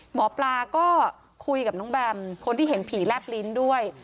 หมอปลาก็คุยกับน้องแบมคนที่เห็นผีแลบลิ้นด้วย